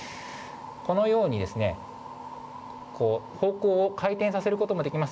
このように、方向を回転させることもできます。